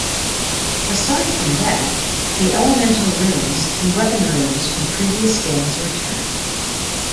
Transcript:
Aside from that, the elemental runes and weapon runes from previous games return.